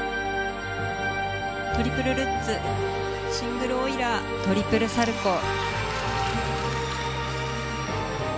トリプルルッツシングルオイラートリプルサルコウ。